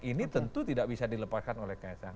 ini tentu tidak bisa dilepaskan oleh kaisang